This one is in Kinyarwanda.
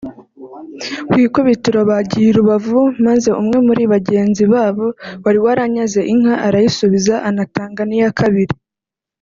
Ku ikubitiro bagiye i Rubavu maze umwe muri bagenzi babo wari waranyaze inka arayisubiza anatanga n’iya kabiri